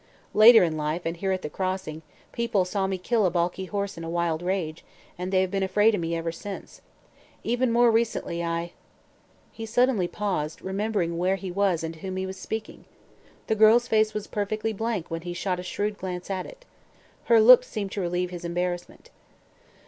Later in life and here at the Crossing, people saw me kill a balky horse in a wild rage, and they have been afraid of me ever since. Even more recently I " He suddenly paused, remembering where he was and to whom he was speaking. The girl's face was perfectly blank when he shot a shrewd glance at it. Her look seemed to relieve his embarrassment.